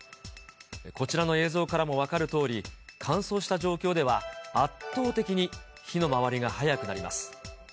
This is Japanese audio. こちらの映像からも分かるとおり、乾燥した状況では、圧倒的に火の回りが早くなります。